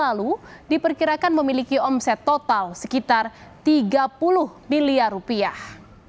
lalu diperkirakan memiliki omset total sekitar tiga puluh miliar rupiah